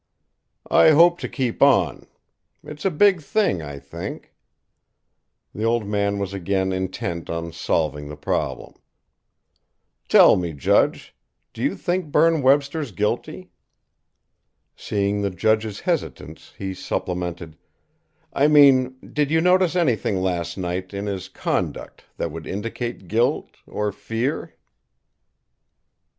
"I hope to keep on. It's a big thing, I think." The old man was again intent on solving the problem. "Tell me, judge; do you think Berne Webster's guilty?" Seeing the judge's hesitance, he supplemented: "I mean, did you notice anything last night, in his conduct, that would indicate guilt or fear?"